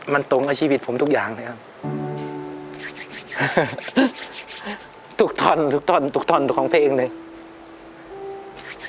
มันตรงกับชีวิตผมทุกอย่างนะครับ